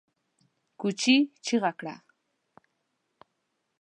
کوچي چيغه کړه!